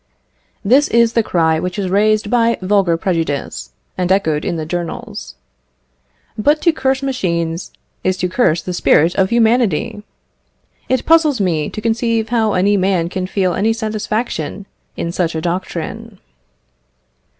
This is the cry which is raised by vulgar prejudice, and echoed in the journals. But to curse machines is to curse the spirit of humanity! It puzzles me to conceive how any man can feel any satisfaction in such a doctrine.